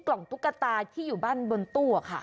กล่องตุ๊กตาที่อยู่บ้านบนตู้ค่ะ